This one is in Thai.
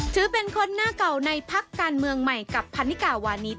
ถือเป็นคนหน้าเก่าในพักการเมืองใหม่กับพันนิกาวานิส